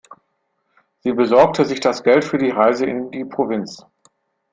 Sie besorgt sich das Geld für die Reise in die Provinz.